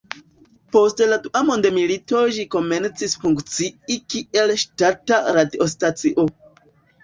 Post la Dua Mondmilito ĝi komencis funkcii kiel ŝtata radiostacio.